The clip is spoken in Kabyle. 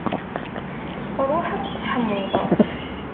Ṛuḥ ad tseḥmuḍ.